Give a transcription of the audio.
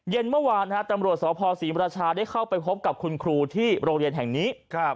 เมื่อวานตำรวจสภศรีมราชาได้เข้าไปพบกับคุณครูที่โรงเรียนแห่งนี้